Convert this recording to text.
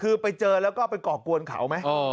คือไปเจอแล้วก็ไปก่อกวนเขาไหม